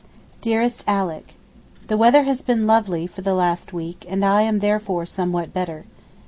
DEAREST ALICK, The weather has been lovely, for the last week, and I am therefore somewhat better.